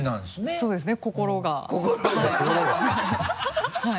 そうですね心がはい。